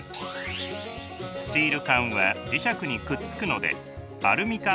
スチール缶は磁石にくっつくのでアルミ缶と分別できます。